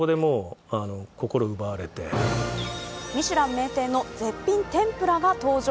ミシュラン名店の絶品天ぷらが登場。